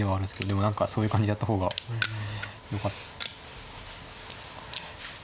でも何かそういう感じでやった方がよかった。